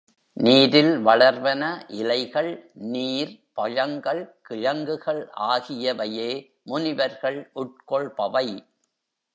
நீரில் வளர்வன, இலைகள், நீர், பழங்கள், கிழங்குகள் ஆகியவையே முனிவர்கள் உட்கொள்பவை.